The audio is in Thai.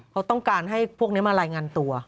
เขาต้องการให้พวกนี้มารายงานตัว